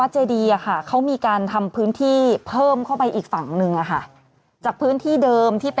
ใช่เมื่อก่อนไม่มี